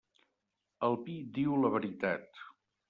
El vi diu la veritat.